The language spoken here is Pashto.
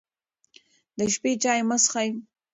د شپې چای مه څښئ.